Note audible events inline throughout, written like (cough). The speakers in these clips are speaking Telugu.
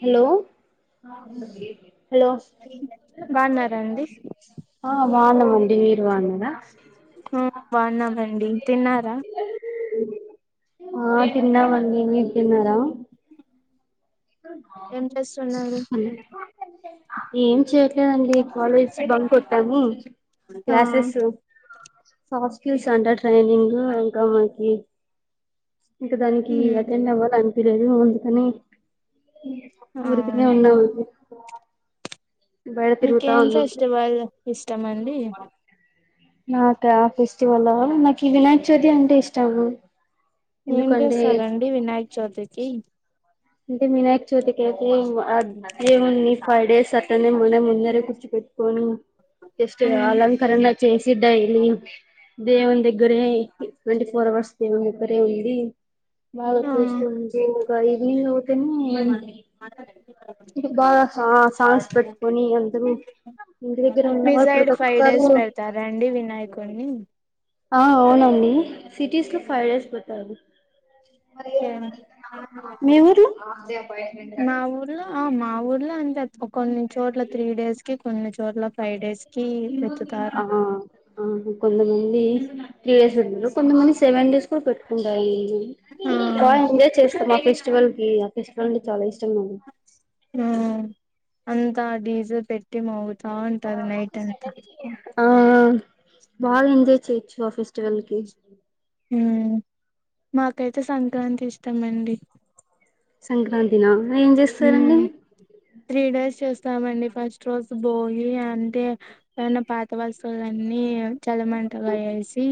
హలో హలో బాగున్నారండి ఆ బాగునమండి మీరు బాగున్నారా ఉమ్ బాగున్నామండి తిన్నారా ఆ తిన్నామండి మీరు తిన్నారా అ ఏం చేస్తున్నారు ఏం చేయట్లేదండి కాలేజ్ బంక్ కొట్టాము ఆ క్లాసెస్ కాస్ట్ లెస్ అంట ట్రైనింగ్ ఇంకా మనకి ఇంకా దానికి మ్ అటెండ్ అవ్వాల అనిపలేదు అందుకని ఆ ఊరికెనే ఉన్నానండి మీకేం ఫెస్టివల్ ఇష్టమండి నాకా ఫెస్టివల్లో నాకు ఈ వినాయక చవితి అంటే ఇష్టము ఏం ఎందుకంటే చేస్తారండి వినాయక్ చౌతికి అంటే వినాయక్ చోతికితే అదేముంది ఫైవ్ డేస్ అట్టనేమన్న ముందర మ్ (unintelligible) దేవుం దగ్గరే ట్వంటీ ఫోర్ అవర్స్ దేవుం దగ్గరే ఉంది బాగా ఆ చూసుకుని ఇక ఈవినింగ్ అవుతానే ఇ బాగా సాంగ్స్ పెట్టుకొని అందరూ ఇంటి దగ్గర మీ ఉన్నవాళ్ళు సైడ్ ప్రతి ఫైవ్ ఒక్కరు డేస్ పెడతారండి వినాయకుడిని ఆ అవునండి సిటీస్ లో ఫైవ్ డేస్ పెడతారు మీ ఊర్లో మా ఊర్లో ఆ మా ఊర్లో అంతే కొన్ని చోట్ల త్రీ డేస్ కి కొన్ని చోట్ల ఫైవ్ డేస్ కి ఎత్తుతారు ఆ కొంతమంది త్రీ డేస్ (inaudible) కొంతమంది సెవెన్ డేస్ కూడా పెట్టుకుంటారండి ఆ బాగా ఎంజాయ్ చేస్తాం ఆ ఫెస్టివల్ కి ఇష్టం అంటే చాలా ఇష్టం నాకు అంతా డీజే పెట్టి మా ఊ ఆ బాగా ఎంజాయ్ చేయొచ్చు ఆ ఫెస్టివల్ కి ఉమ్ మాకైతే సంక్రాంతి ఇష్టమండి సంక్రాంతిన ఏం చేస్తారండి స్తామండి ఫస్ట్ రోజు భోగి అంటే ఏనా పాత వస్తువులన్నీ చలిమంటగా వేసి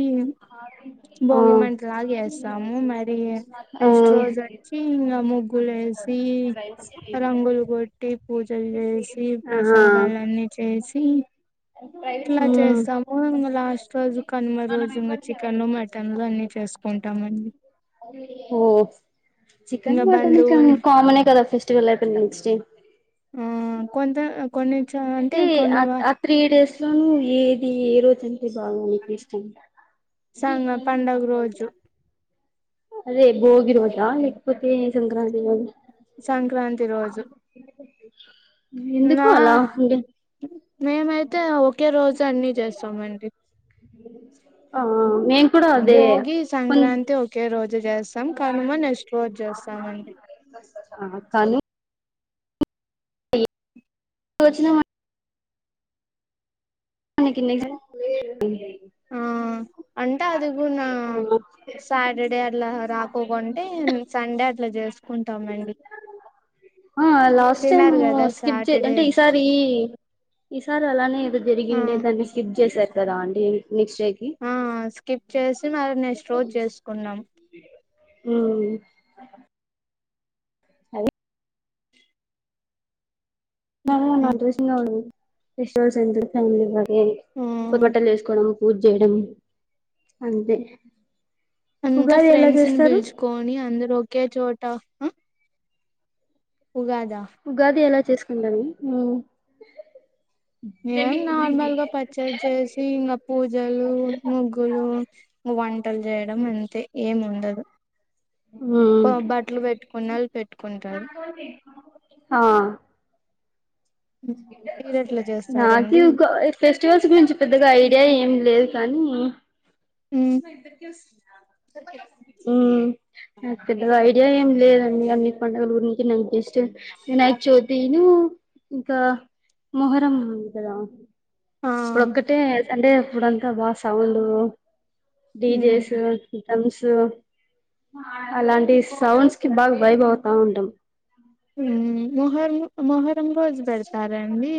ఆ భోగి మంటలా యేస్తాము మరి ఆ నెక్స్ట్ రోజు వచ్చి ఇంకా ముగ్గులు సి రంగులు కొట్టి పూజలు చేసి ఆహా ప్రసాదాలన్నీ చేసి ఇలా మ్మ్ చేస్తాము ఇంకా లాస్ట్ రోజు కనుమ రోజు ఇంకా చికెన్ మటన్లు అన్ని చేసుకుంటామండి ఓ ఇంగ చికెన్ మటన్ బంధువుల్ కామనే కదా ఫెస్టివల్ అయిపో నుంచి ఆ కొంత కొన్ని చ అంటే కొన్ని ఆ త్రీ డేస్ లో ను ఏది ఏ రోజు (unintelligible) అందుకు ఇష్టం సంగ పండగ రోజు అదే బోగిరోజా లేకపోతే సంక్రాంతి అ సంక్రాంతి రోజు నా ఎందుకు అలా అండి మేమైతే ఒకే రోజు అన్ని చేస్తామండి ఆ మేం బోగి సంక్రాంతి ఒకే రోజు జేస్ మ్ కనుమ నెస్ట్ రోజు చేస్తామండి ఆ కను (unintelligible) దానికి (unintelligible) ఆ అంటే అది గునా సాటర్డే అట్లా రాకోకుంటే సండే అట్లా చేసుకుంటామండి ఆ లాస్ట్ టైమ్ తినరు కదా స్కిప్ చే సాటర్డే అంటే ఈసారి ఈసారి అలానే ఏదో ఆ జరిగిండే దాన్ని స్కిప్ చేసారు కదా అండి నెక్స్ట్ డేకి ఆ స్కిప్ చేసి మరి నేస్ట్రోజ్ చేసుకున్నాం హ్మ్ ఆ ఆ నా డ్రెస్ ఫెస్టివల్స్ అయిన తర్వాత ఏయ్ ఆ కొత్త బట్టలు వేసుకోవడం పూజ చేయడం అంతే అంతా ఉగాది ఎలా ఫ్రెండ్స్ ని చేస్తారు పిలుచుకొని అందరు ఒకే చోట ఆ ఉగాదా చేసుకుంటాను మ్మ్ మేం నార్మల్గా పచ్చడి చేసి ఇంగ పూజలు ముగ్గులు వంటలు చేయడం అంతే ఏం ఉండదు ఉమ్ కో బట్టలు పెట్టుకున్నళ్ళు పెట్టుకుంటరు ఆ మీరు ఎట్లా నాకి చేస్తారండి ఒక ఇ ఫెస్టివల్స్ గురించి పెద్దగా ఐడియా ఏం లేద్ కానీ హ్మ్ హ్మ్ నాకు పెద్దగా ఐడియా ఏం లేదండి అన్ని పండగల గురించి నేను క్రిస్టియన్ వినాయక చవితి ను ఇంకా మొహరం ఉంది కదా ఆ ఇప్పుడొక్కటే అంటే ఇప్పుడంతా బా సౌండు డీజేస్ హ్మ్ మ్స్ అలాంటి సౌండ్స్ కి బాగా వైబ్ అవుతా ఉంటం హ్మ్ మొహరము మొహరం రోజు పెడతారండి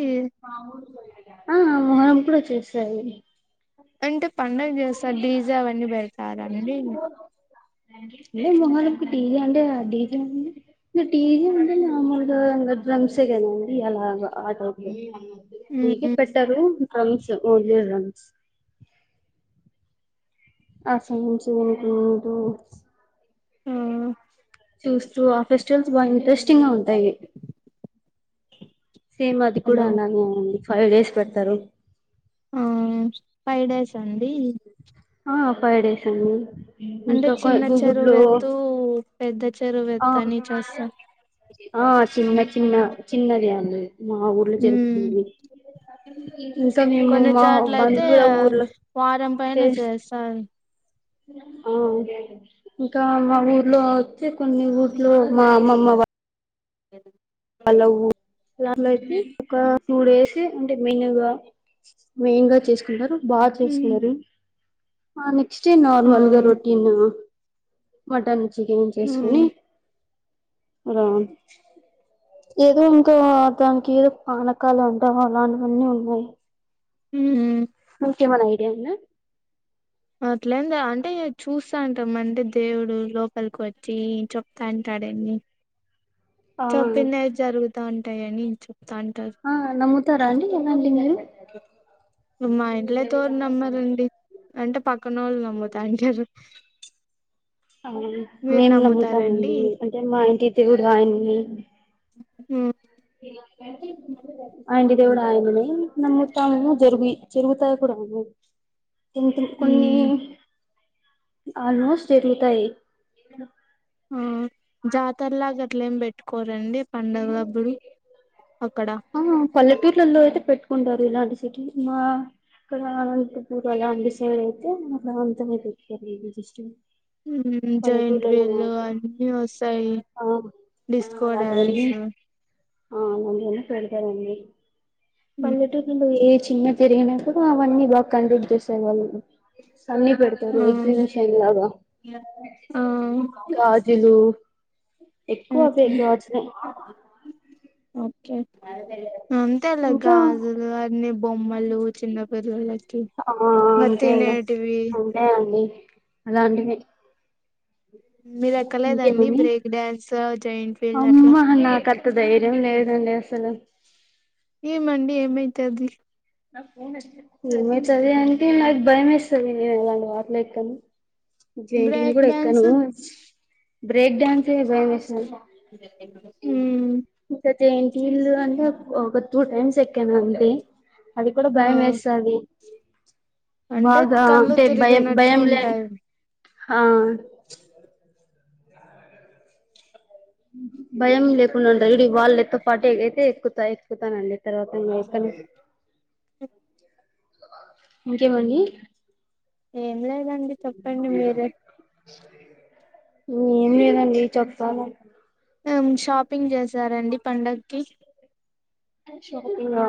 ఆ మొహరం కూడా చేస్తారు అంటే పండగ చేస్తారు డీజా అవన్నీ పెడతారనేది లే మొహరంకి డీ జే అంటే డీ జే నీ డీజే అంటే నార్మల్గా డ్రమ్స్ ఏ కదండీ అలాగా ఆ టైపులో డీజే హ్మ్ పెట్టరు డ్రమ్స్ ఓన్లీ డ్రమ్స్ ఆ సౌండ్స్ ఓహో ఆ చూస్ చూ ఆ ఫెస్టివల్స్ బా ఇంట్రెస్టింగ్ గా ఉంటాయి సేమ్ అది కూడా హలో అలానే అయింది ఫై డేస్ పెడతారు ఆ ఫై డేస్ అండి ఆ ఫైవ్ డేస్ అండి అంటే ఇంకోక చిన్న గూగులో చెరువెత్తు పెద్ద ఆ చెరువెత్తు అని చేస్తారు ఆ చిన్న చిన్న చిన్నది అండి మా ఊర్లో హ్మ్ జరుగుతుంది ఇంకా మేము కొన్ని మా చోట్ల అయితే బంధువుల ఊర్ల వారం పైన చేస్ చేస్తారు ఆ ఇంకా మా ఊర్లో వచ్చే కొన్ని ఊర్లో మా అమ్మ (unintelligible) హలో లా లోకి ఒక టూ డేస్ అంటే మెనుగా మెయిన్ గా చేసుకుంటారు బా హ్మ్ చేస్తున్నారు ఆ నెక్స్ట్ డే ఆ నార్మల్గా రొటీన్ మటన్ చికెన్ చేసుకుని హ్మ్ ఆ ఏదో ఇంకో దానికి ఏదో పానకాలు అంటామ అలాంటివన్నీ ఉన్నయి మ్మ్ ఎమన్నా ఐడియా ఉందా అట్లేంలే అంటే చూస్తా ఉంటాం అంటే దేవుడు లోపలికి వచ్చి చెప్తాడంటడేమ్ అ ఆ చంపినయి జరుగుతూ ఉంటాయనిు ఆ నముతార అండి ఏన్నా ఇలింగ మా ఇంట్లేతోర్ నమ్మారండి అంటే పక్కనోళ్ళని నమ్ముతా అంటారు అవును మేం నమ్ముతామండి అంటే మా ఇంటి దేవుడు ఆయి హు ఆంటి దేవుడు ఆయననే నమ్ముతాము జరుగి జరుగుతా ప్పుడనీ కొంచెం కొన్ని ఉమ్, ఆల్మోస్ట్ జరుగుతాయి ఆ జాతరలాగట్లేమి పెట్టుకోరండి పండగలప్పుడు అక్కడ ఆ పల్లెటూర్లలో అయితే పెట్టుకుంటారు ఇలాంటి సిటీ మా ఇక్కడా అంటే పూర్ అలా అండి సైడ్ అయితే అలా ఉంటది అండి సిస్టమ్ ఉహు జైంట్ వీలు అన్ని ఓస్తాయి ఆ ఆ డిస్కో అలాంటివన్నీ డ్యాన్సు ఆ అలాంటివన్నీ పెతారండి ఉమ్, పల్లెటూర్లలో ఏవ్ చిన్న తిరిగిన కూడా అవన్నీ బా కంజిస్ చేసే వాళ్ళు అన్ని పెడతారు ఆ ఎగ్జిబషన్ లాగా ఆ గాజులు ఎక్కువ అవ్వే గాజులే ఒకే అంతేలా ఇంకా గాజులు అన్ని బొమ్మలు చిన్న పిల్లల ఆ అంతే ఇంగ అంతే అండి అలాంటివి మీరు ఎక్కలేదండి ఇంకేమున్నాయి బ్రేక్ డ్యాన్స్ జైంట్ వీల్ అట్లా అమ్మా నాకాంత ధైర్యం లేదు అండి అసలు ఏమండి ఏమైతాది ఏమైతది అంటే నాకు భయం వేస్తుంది నేను ఎలాంటి వాట్లో ఎక్కన్ జంటి వీల్ బ్రేక్ కూడా ఎక్కను డ్యాన్స్ బ్రేక్ డాన్స్ సే భయమేస్తది ఉమ్ ఇంకా జాయింట్ వీలు అంటే ఒక టూ టైమ్స్ ఎక్కను అంతే అది కూడా ఆ భయం ఎస్తాదీ అంటే బాగా కళ్ళు అంటే భయం తిరిగినట్లు భయం లే ఉంటాయి ఆ భయం లేకుండా ఉంటార్ చూడండి వాళ్ళతోపాటైతే ఎక్కుతా ఎక్కుతానండి తర్వాత ఇగ ఏక్కను ఇంకేమండి ఏం లేదండి చెప్పండి మీరే ఏం లేదండి చెప్పాలే ఎం షాపింగ్ చేసారండి పండక్కి షాపింగా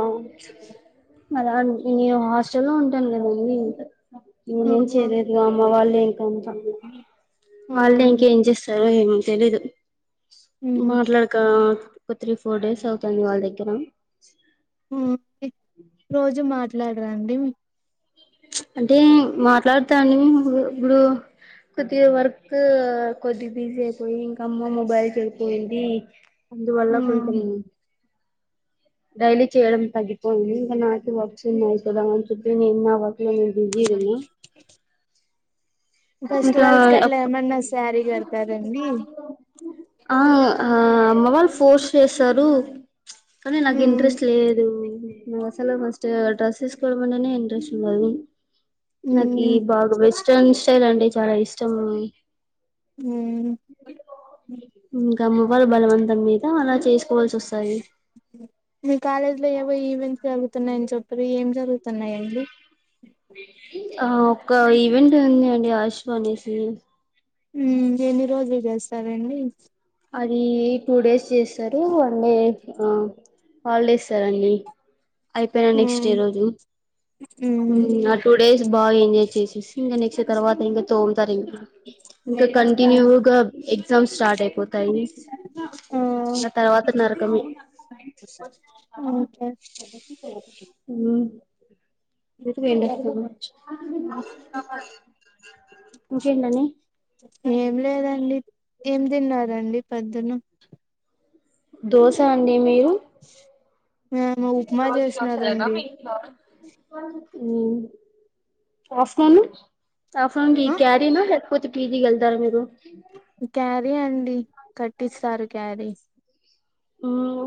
అలా నేను హాస్టల్లో ఉంటాను కదండి ఆ ఇంగేం చేయలేదుగా అమ్మ వాళ్ ల్లే ఇంక ఆ వాళ్ళే ఇంకేం చేస్తారో ఏం తెలీదు ఉమ్ మాట్లాడక ఒక త్రీ ఫోర్ డేస్ అవుతంది వాళ్ళ దగ్గర ఉ రోజు మాట్లాడరాండి అంటే మాట్లాడతా అండి ఇప్పుడు కొద్దిగా వర్క్ కొద్దిగా బిజీ అయిపోయి ఇంకా అమ్మ మొబైల్ చేరిపోయింది అందువల్ల ఆ కొంచం డైలీ చేయడం తగ్గిపోయింది ఇంకా నాకి వర్క్స్ ఉన్నాయి కదా అని చెప్పి నేను నా వర్ హు బిజిగున్న ఇకా ఫెస్టివల్స్ కి అట్లా ఆప్ ఏమన్నా శారీ కడతారండి ఆ ఆ ఆ అమ్మ వాళ్ళు ఫోర్స్ చేస్తారు కానీ నాకు ఉమ్ ఇంట్రెస్ట్ లేదు నాక్ అసలె ఫస్ట్ డ్రెస్సెస్ ఏసుకోడమంటనే ఇంట్రెస్ట్ ఉండదు నాకీ ఉమ్ బాగా వెస్ట్రన్ స్టైల్ అంటే చాలా ఇష్టం హు టం వాళ్ళ బలవంతం మీద అలా చేస్ మీ కాలేజ్ లో ఏవో ఈవెంట్స్ జరుగుతున్నాయని చెప్పరు ఇ ఏం జరుగుతున్నాయండి ఆ ఒక ఈవెంట్ ఉంది అండి ఆయుష్మానేసిని ఉ ఎన్ని రోజులు చేస్తారండి అది టూ డేస్ చేస్తారు వన్ డే హాల్ డే ఇస్తారండి అయిపోయినా నెక్స్ట్ ఉమ్ ఇ రోజు ఉమ్ ఉ నాకు టూ డేస్ బాగా ఎంజాయ్ చేసేసి ఇంకా నెక్స్ట్ తర్వాత ఇంకా తోముతారు ఇంకా ఇంకా కంటిన్యూగా ఎగ్జామ్ స్టార్ట్ అయి పోతాయి ఆ ఇంక తర్వాత నారకమే ఓకే (unintelligible) ఇంకేంటండి ఏం లేదండి ఏం తిన్నారండి పోదున్న దోశ అండి మీరు ఏమో ఉప్మా చేసినారండి హాస్టల్లో ఆ ఫం ఈ ఆ క్యారీన లేకపోతే పీజీ కి వెళ్తారా మీరు క్యారీ అండి కట్టిస్తారు క్యారీ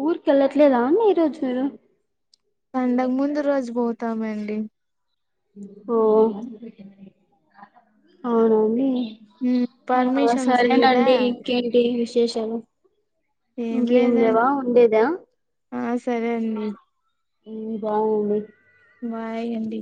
ఊరికేళ్ళట్లేదా ఈ రోజు మీరు పండగ ముందు రోజు పోతామండి ఓ అవునా అండి ఉమ్ ఆ పర్మిషన్స్ ఇలా సరేనండి ఇంకేంటి విశేషాలు ఏం ఇంకేమి లేవా లేదండి ఉండేదా ఆ సరే అండి బాయ్ అండి బాయ్ అండి